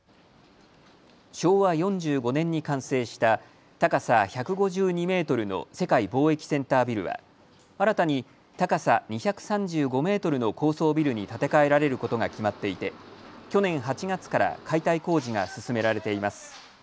昭和４５年に完成した高さ１５２メートルの世界貿易センタービルは新たに高さ２３５メートルの高層ビルに建て替えられることが決まっていて去年８月から解体工事が進められています。